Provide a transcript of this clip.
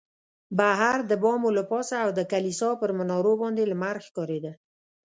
بهر د بامو له پاسه او د کلیسا پر منارو باندې لمر ښکارېده.